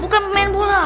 bukan main bola